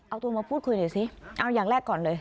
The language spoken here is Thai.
เอาตัวมาพูดคุยหน่อยสิเอาอย่างแรกก่อนเลย